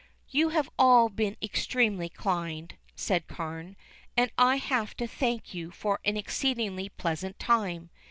"You have all been extremely kind," said Carne, "and I have to thank you for an exceedingly pleasant time.